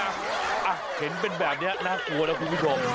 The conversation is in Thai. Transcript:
อะเห็นเป็นแบบเนี้ยน่ากลัวนะคุณพี่โจ้